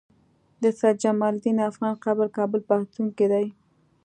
د سيد جمال الدين افغان قبر کابل پوهنتون کی دی